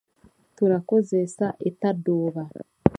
Turakozesa etadooba.